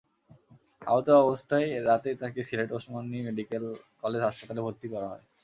আহত অবস্থায় রাতেই তাঁকে সিলেট ওসমানী মেডিকেল কলেজ হাসপাতালে ভর্তি করা হয়।